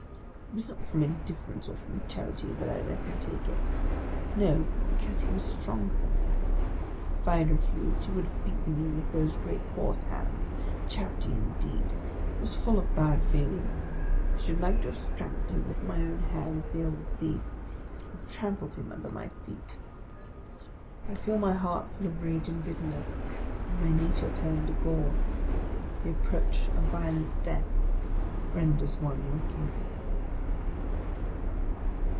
It was not from indifference, or from charity, that I let him take it. No; but because he was stronger than I! If I had refused, he would have beaten me with those great coarse hands. Charity, indeed ! I was full of bad feeling ; I should like to have strangled him with my own hands, the old thief! — to have trampled him under my feet. OF A CONDEMNED 77 I feel my heart full of rage and bitterness, and my nature turned to gall: the approach of violent death renders one wicked.